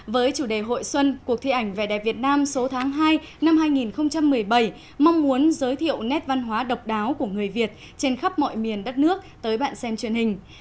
với chủ đề hội xuân cuộc thi ảnh vẻ đẹp việt nam số tháng hai năm hai nghìn một mươi bảy mong muốn giới thiệu nét văn hóa độc đáo của người việt trên khắp mọi miền đất nước tới bạn xem truyền hình